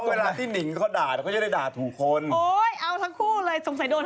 เอาเห็นอยู่กับตาเลยนะผมเชิด